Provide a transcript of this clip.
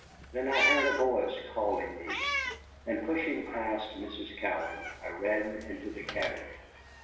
Then I heard a voice calling me, and pushing past Mrs. Cowan, I ran into the cabin.